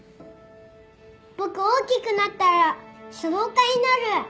僕大きくなったら書道家になる！